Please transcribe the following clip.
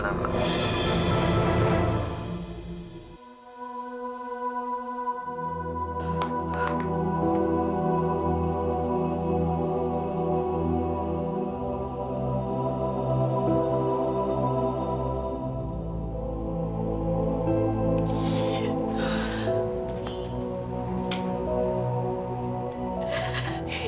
suara mereka sia sia